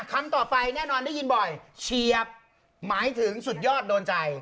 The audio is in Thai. คำต่อไปแน่นอนได้ยินบ่อยเฉียบหมายถึงสุดยอดโดนใจ